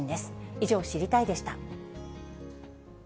以上、知りたいッ！でした。